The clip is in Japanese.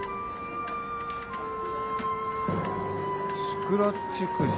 スクラッチくじ。